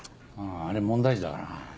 あれ問題児だから。